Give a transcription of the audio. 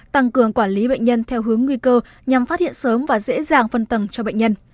tăng cường quản lý bệnh nhân theo hướng nguy cơ nhằm phát hiện sớm và dễ dàng phân tầng cho bệnh nhân